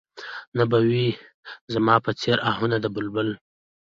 نه به وي زما په څېر اهونه د بلبل